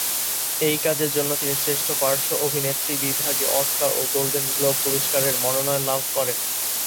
এই কাজের জন্য তিনি শ্রেষ্ঠ পার্শ্ব অভিনেত্রী বিভাগে অস্কার ও গোল্ডেন গ্লোব পুরস্কারের মনোনয়ন লাভ করেন।